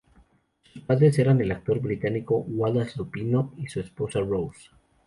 Sus padres eran el actor británico Wallace Lupino y su esposa Rose.